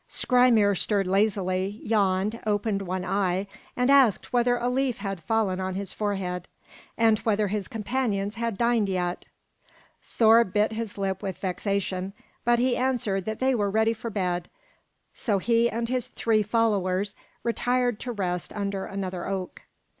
Skrymir stirred lazily, yawned, opened one eye, and asked whether a leaf had fallen on his forehead, and whether his companions had dined yet. Thor bit his lip with vexation, but he answered that they were ready for bed; so he and his three followers retired to rest under another oak.